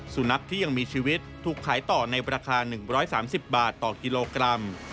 สุนัขที่ยังมีชีวิตถูกขายต่อในราคา๑๓๐บาทต่อกิโลกรัม